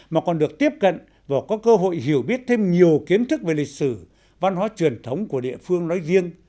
mà còn được tiếp cận và có cơ hội hiểu biết thêm nhiều kiến thức về lịch sử văn hóa truyền thống của địa phương nói riêng